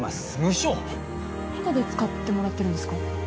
えっタダで使ってもらってるんですか？